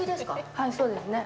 はい、そうですね。